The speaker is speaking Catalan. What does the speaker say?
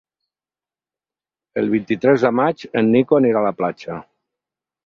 El vint-i-tres de maig en Nico anirà a la platja.